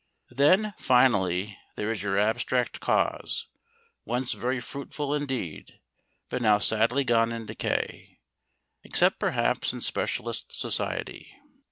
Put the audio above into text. Then, finally, there is your abstract cause, once very fruitful indeed, but now sadly gone in decay, except perhaps in specialist society.